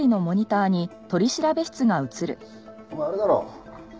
お前あれだろ？